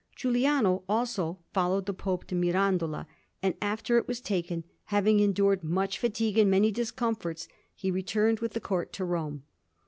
Giuliano also followed the Pope to Mirandola, and after it was taken, having endured much fatigue and many discomforts, he returned with the Court to Rome.